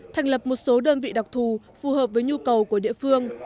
thành lập một số đơn vị đặc thù phù hợp với nhu cầu của địa phương